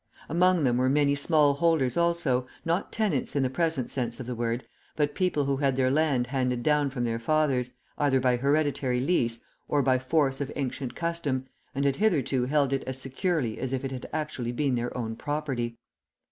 Among them were many small holders also, not tenants in the present sense of the word, but people who had their land handed down from their fathers, either by hereditary lease, or by force of ancient custom, and had hitherto held it as securely as if it had actually been their own property.